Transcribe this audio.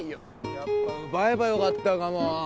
やっぱ奪えばよかったかも！